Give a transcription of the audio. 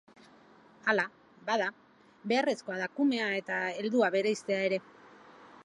Hala, bada, beharrezkoa da kumea eta heldua bereiztea ere.